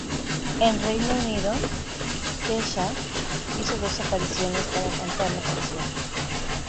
En Reino Unido; Kesha hizo dos apariciones para cantar la canción.